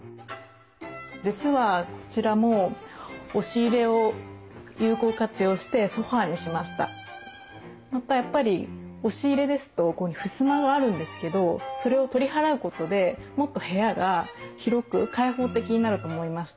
実はこちらもやっぱり押し入れですとこういうふうにふすまがあるんですけどそれを取り払うことでもっと部屋が広く開放的になると思いました。